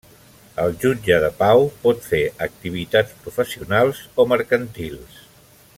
El jutge de pau pot fer activitats professionals o mercantils.